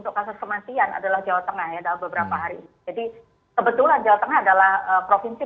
untuk kasus kematian adalah jawa tengah ya dalam beberapa hari jadi kebetulan jawa tengah adalah provinsi